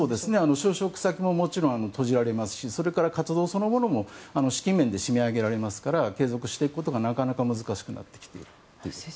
就職先ももちろん閉じられますしそれから活動そのものも資金面で締め上げられるので継続していくことがなかなか難しくなってきている。